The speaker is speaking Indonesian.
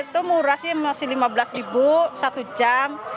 itu murah sih masih lima belas ribu satu jam